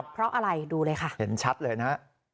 เพราะอะไรดูเลยค่ะเห็นชัดเลยนะฮะ